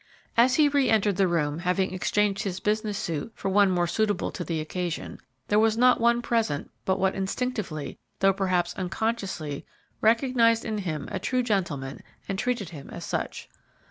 As he re entered the room, having exchanged his business suit for one more suitable to the occasion, there was not one present but what instinctively, though perhaps unconsciously, recognized in him a true gentleman and treated him as such.